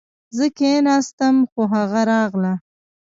زه کښېناستم خو هغه راغله